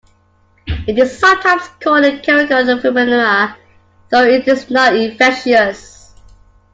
It is sometimes called a "chemical pneumonia", though it is not infectious.